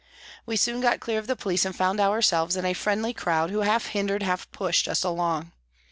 We soon got clear of the police and found ourselves in a friendly crowd who half hindered, half pushed, us along.